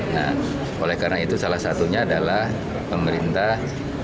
nah oleh karena itu salah satunya adalah pemerintah